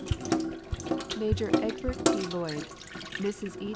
Major Egbert T. Lloyd; Mrs. E.